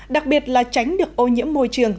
đặc biệt là tránh được ô nhiễm môi trường